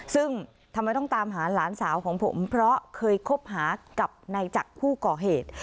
ซึ่งทำไมต้องตามหาหลานสาวของผมเพราะเคยคบหากับนายจักรผู้ก่อเหตุ